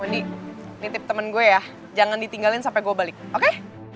wondi ini tip temen gue ya jangan ditinggalin sampai gue balik oke